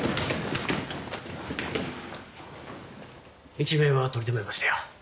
一命は取り留めましたよ。